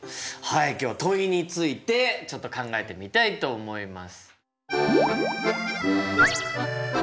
はい今日は問いについてちょっと考えてみたいと思います。